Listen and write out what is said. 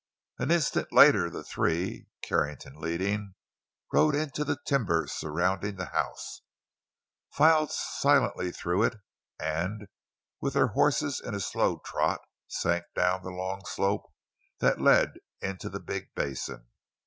An instant later the three, Carrington leading, rode into the timber surrounding the house, filed silently through it, and with their horses in a slow trot, sank down the long slope that led into the big basin.